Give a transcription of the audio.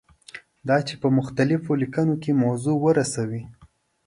دا چې په مختلفو لیکنو کې موضوع ورسوي.